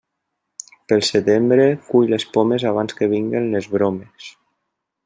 Pel setembre, cull les pomes abans que vinguen les bromes.